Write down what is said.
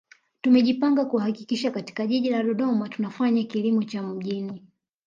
Tumejipanga kuhakikisha katika Jiji la Dodoma tunafanya kilimo cha mjini